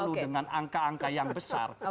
kalau kita menggunakan angka angka yang besar